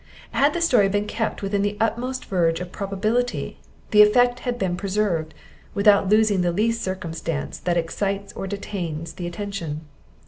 Had the story been kept within the utmost verge of probability, the effect had been preserved, without losing the least circumstance that excites or detains the attention.